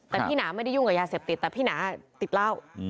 แต่พี่หนาไม่ได้ยุ่งกับยาเสพติดแต่พี่หนาติดเหล้า